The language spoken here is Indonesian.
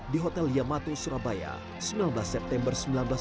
di hotel yamato surabaya sembilan belas september seribu sembilan ratus empat puluh